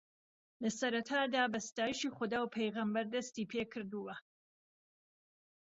لەسەرەتادا بە ستایشی خودا و پێغەمبەر دەستی پێکردووە